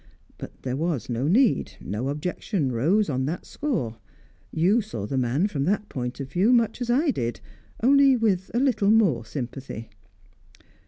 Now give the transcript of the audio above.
But there was no need; no objection rose on that score; you saw the man, from that point of view, much as I did only with a little more sympathy.